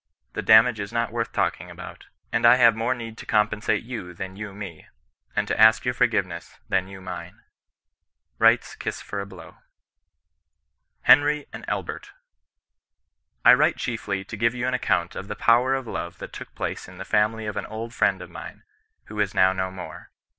The damage M not worth talking about ; and I have more need to compensate you than you me, and to ask your forgive ness than you mine." — Wright's Ki&sfor a Blow, HENBT AI7D ALBEBT. " I write chiefly to give you an account of the power of love that took place in the family of an old friend of mine, who is now no more.